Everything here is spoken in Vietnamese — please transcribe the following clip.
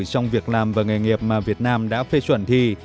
trong việc làm và nghề nghiệp mà việt nam đã phê chuẩn thì